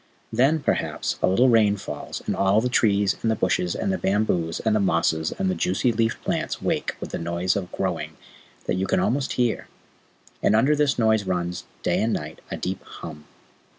Then, perhaps, a little rain falls, and all the trees and the bushes and the bamboos and the mosses and the juicy leaved plants wake with a noise of growing that you can almost hear, and under this noise runs, day and night, a deep hum.